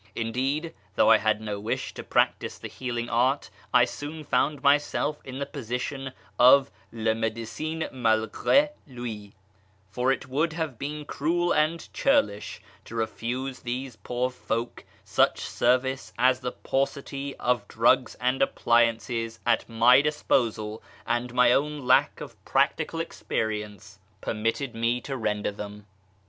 Indeed, though I had no wish to practise the healing art, I I soon found myself in the position of '"le m(3decin malgre lui," for it would have been cruel and churlish to refuse these poor folk such service as the paucity of drugs and appliances at my disposal, and my own lack of practical experience, per FROM SHIRAZ to YEZD 345 mitted me to render them.